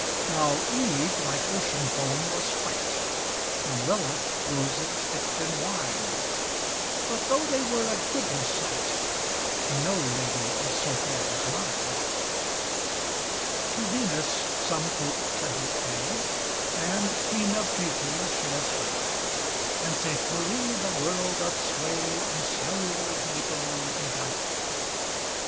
Now Eve like ocean foam was white, And Lilith, roses dipped in wine, But though they were a goodly sight, No lady is so fair as mine. To Venus some folk tribute pay, And Queen of Beauty she is hight, And Sainte Marie the world doth sway, In cerule napery bedight.